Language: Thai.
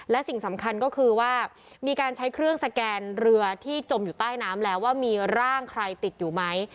และสิ่งสำคัญก็คือว่ามีการใช้เครื่องสแกนเรือที่จมอยู่ใต้น้ำแล้วว่ามีร่างใครติดอยู่ไหม